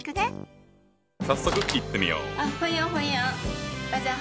早速いってみよう。